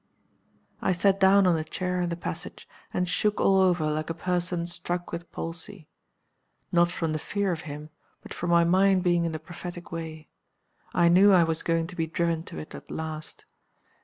"I sat down on a chair in the passage, and shook all over like a person struck with palsy. Not from the fear of him but from my mind being in the prophetic way. I knew I was going to be driven to it at last.